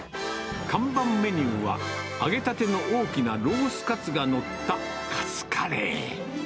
看板メニューは、揚げたての大きなロースカツが載ったカツカレー。